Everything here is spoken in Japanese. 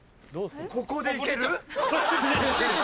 ここでいける？